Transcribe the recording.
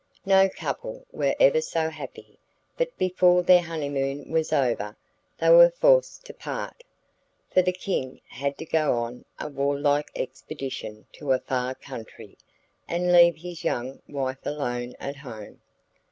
No couple were ever so happy; but before their honeymoon was over they were forced to part, for the King had to go on a warlike expedition to a far country, and leave his young wife alone at home.